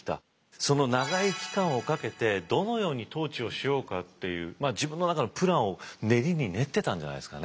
その長い期間をかけてどのように統治をしようかっていう自分の中のプランを練りに練ってたんじゃないですかね。